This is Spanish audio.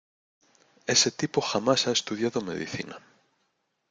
Ese tipo jamás ha estudiado medicina.